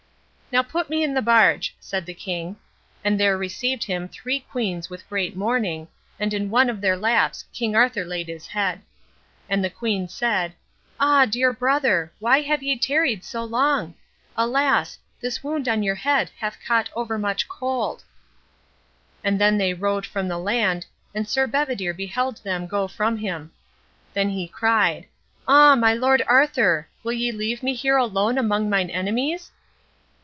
"Now put me in the barge," said the king. And there received him three queens with great mourning, and in one of their laps King Arthur laid his head. And the queen said, "Ah, dear brother, why have ye tarried so long? Alas! this wound on your head hath caught over much cold." And then they rowed from the land, and Sir Bedivere beheld them go from him. Then he cried: "Ah, my lord Arthur, will ye leave me here alone among mine enemies?"